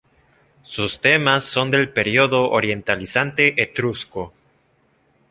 Sus temas son del periodo orientalizante etrusco.